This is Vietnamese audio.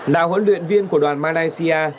đạo huấn luyện viên của đoàn malaysia